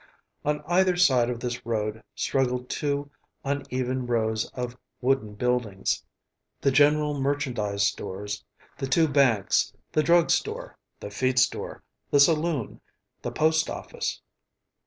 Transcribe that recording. On either side of this road straggled two uneven rows of wooden buildings; the general merchandise stores, the two banks, the drug store, the feed store, the saloon, the post office.